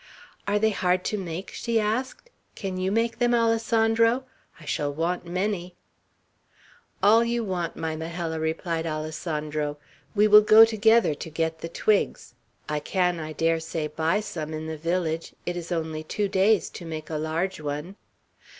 "Are they hard to make?" she asked. "Can you make them, Alessandro? I shall want many." "All you want, my Majella," replied Alessandro. "We will go together to get the twigs; I can, I dare say, buy some in the village. It is only two days to make a large one."